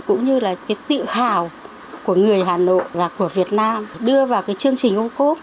cũng như là cái tự hào của người hà nội và của việt nam đưa vào cái chương trình ô cốp